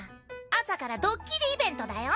朝からドッキリイベントだよ。